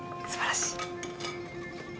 すばらしい。